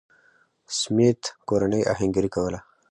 سمېت کورنۍ اهنګري کوله.